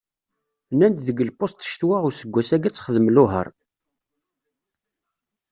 Nnan-d deg lpuṣt ccetwa useggas-ayi ad texdem luheṛ.